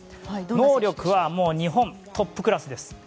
能力はもう日本トップクラスです。